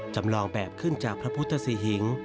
จำลองแบบขึ้นจากพระพุทธศรีหิง